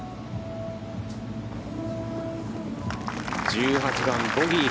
１８番、ボギー。